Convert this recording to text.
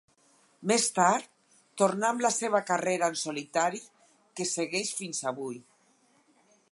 Més tard tornà amb la seva carrera en solitari que segueix fins avui.